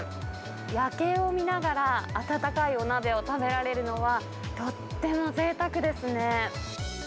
夜景を見ながら、温かいお鍋を食べられるのは、とっても贅沢ですね。